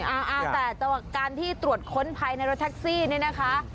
อ่าแต่จังหวะการที่ตรวจค้นภายในรถแท็กซี่เนี่ยนะคะ